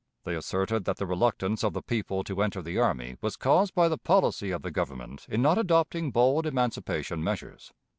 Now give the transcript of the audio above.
They asserted that the reluctance of the people to enter the army was caused by the policy of the Government in not adopting bold emancipation measures.